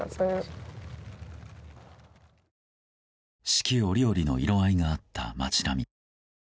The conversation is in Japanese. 四季折々の色合いがあった街並み。